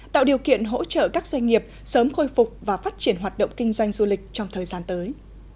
tạo điều kiện hỗ trợ các doanh nghiệp sớm khôi phục và phát triển hoạt động kinh doanh du lịch trong thời gian tới